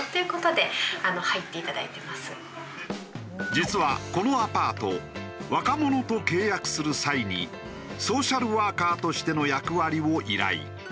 実はこのアパート若者と契約する際にソーシャルワーカーとしての役割を依頼。